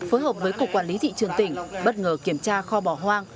phối hợp với cục quản lý thị trường tỉnh bất ngờ kiểm tra kho bỏ hoang